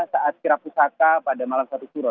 saat kirap pusaka pada malam satu suruh